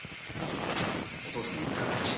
お父さんが見つかったらしい。